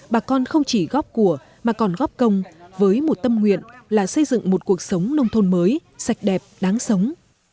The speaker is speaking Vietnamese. bà con không chỉ góp của mà còn góp công với một tâm nguyện là xây dựng một cuộc sống nông thôn mới sạch đẹp đáng sống